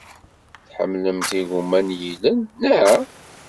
Tḥemmlemt igumma n yilel, naɣ?